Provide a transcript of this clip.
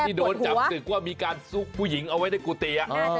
โดนจับศึกว่ามีการซุกผู้หญิงเอาไว้ในกุฏิ